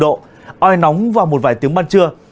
oai nóng và một vài tiếng ban trưa